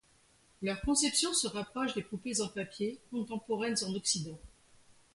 Leur conception se rapproche des poupées en papier contemporaines en Occident.